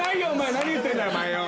何言ってんだよお前よぉ。